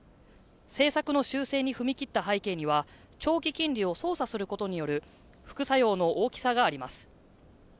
政策の修正に踏み切った背景には長期金利を操作することによる副作用の大きさがあります。